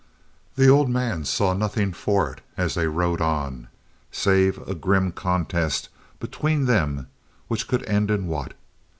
The old man saw nothing for it, as they rode on, save a grim contest between them which could end in what?